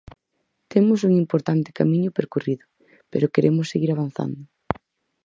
Temos un importante camiño percorrido, pero queremos seguir avanzando.